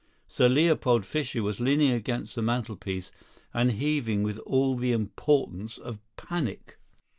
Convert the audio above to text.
Sir Leopold Fischer was leaning against the mantelpiece and heaving with all the importance of panic.